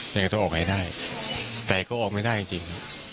ยังไงก็ต้องออกให้ได้แต่ก็ออกไม่ได้จริง